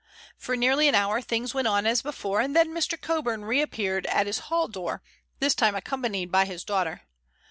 For nearly an hour things went on as before, and then Mr. Coburn reappeared at his hall door, this time accompanied by his daughter.